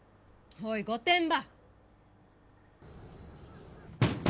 おい御殿場！